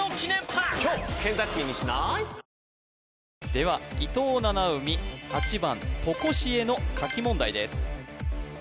では伊藤七海８番とこしえの書き問題です